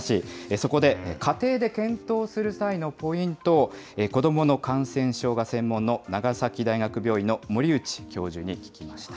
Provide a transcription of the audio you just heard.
そこで、家庭で検討する際のポイントを子どもの感染症が専門の長崎大学病院の森内教授に聞きました。